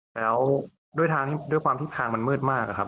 แล้วด้วยทางด้วยความที่ทางมันมืดมากอะครับ